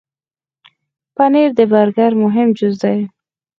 پنېر د برګر مهم جز دی.